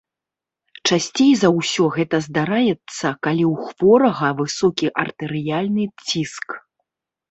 Часцей за ўсё гэта здараецца, калі ў хворага высокі артэрыяльны ціск.